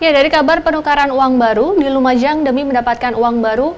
dari kabar penukaran uang baru di lumajang demi mendapatkan uang baru